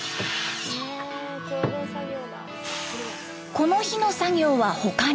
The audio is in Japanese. この日の作業は他に。